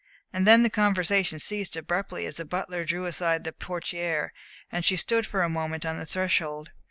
And then the conversation ceased abruptly as the butler drew aside the portière and she stood for a moment on the threshold.